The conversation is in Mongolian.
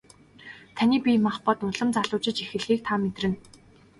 Таны бие махбод улам залуужиж эхлэхийг та мэдэрнэ.